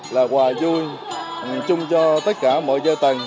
là quà vui chung cho tất cả mọi gia tầng